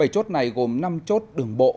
bảy chốt này gồm năm chốt đường bộ